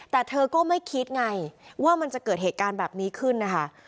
แต่เธอก็ไม่คิดไงว่ามันจะเกิดเหตุการณ์แบบนี้ขึ้นนะคะ